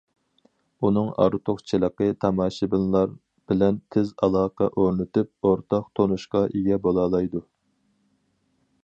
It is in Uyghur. ئۇنىڭ ئارتۇقچىلىقى تاماشىبىنلار بىلەن تېز ئالاقە ئورنىتىپ، ئورتاق تونۇشقا ئىگە بولالايدۇ.